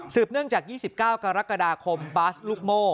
เนื่องจาก๒๙กรกฎาคมบาสลูกโม่